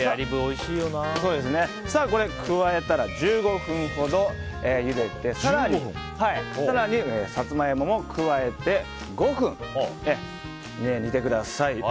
これを加えたら１５分ほどゆで更に、サツマイモを加えて５分煮てください。